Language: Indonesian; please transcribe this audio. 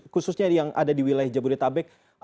khususnya yang ada di wilayah jabodetabek